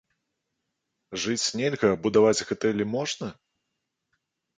Жыць нельга, а будаваць гатэлі можна?!